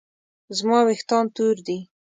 زما ویښتان تور دي